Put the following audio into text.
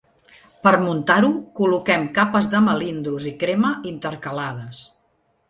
Per muntar-ho, col·loquem capes de melindros i crema intercalades.